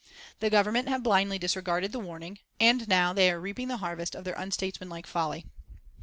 The Government have blindly disregarded the warning, and now they are reaping the harvest of their unstatesmanlike folly."